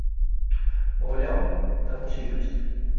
Маўляў, там усё ёсць.